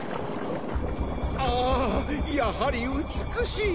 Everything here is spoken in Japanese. ああやはり美しい！